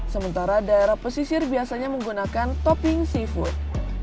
sementara daerah pesisir biasanya menggunakan topping seafood